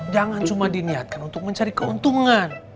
jangan cuma diniatkan untuk mencari keuntungan